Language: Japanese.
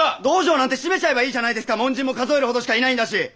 道場なんて閉めちゃえばいいじゃないですか門人も数えるほどしかいないんだし。